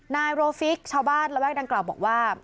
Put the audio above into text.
นายโรฟิกชาวบ้านระแวกดังกล่าวบอกว่า